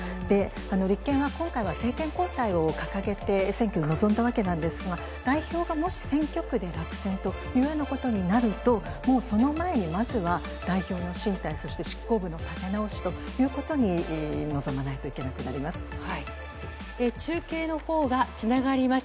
立憲は今回は政権交代を掲げて、選挙に臨んだわけなんですが、代表がもし選挙区で落選というようなことになると、もうその前にまずは代表の進退、そして、執行部の立て直しということに臨まないといけなくなります。